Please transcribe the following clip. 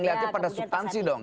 lihatnya pada stansi dong